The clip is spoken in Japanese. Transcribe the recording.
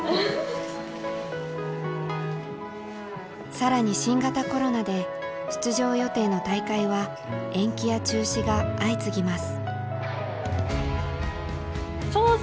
更に新型コロナで出場予定の大会は延期や中止が相次ぎます。